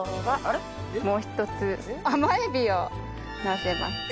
もう一つ甘エビをのせます。